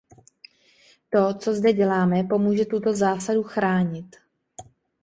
To, co zde děláme, pomůže tuto zásadu chránit.